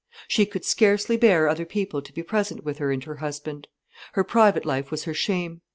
She could scarcely bear other people to be present with her and her husband. Her private life was her shame.